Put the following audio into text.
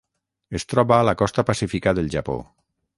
Es troba a la costa pacífica del Japó.